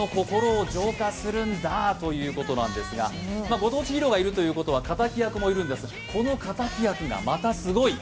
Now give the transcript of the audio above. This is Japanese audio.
ご当地ヒーローがいるということは敵役もいるんですがこの敵役がまたすごい。